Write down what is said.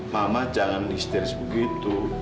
mama jangan jenis begitu